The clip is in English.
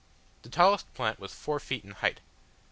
The tallest plant was four feet in height.